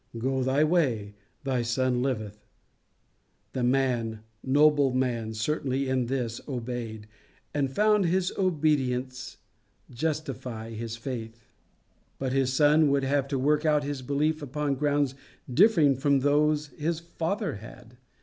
"Go thy way: thy son liveth." The man, noble man certainly in this, obeyed, and found his obedience justify his faith. But his son would have to work out his belief upon grounds differing from those his father had.